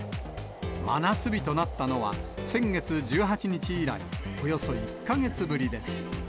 真夏日となったのは、先月１８日以来、およそ１か月ぶりです。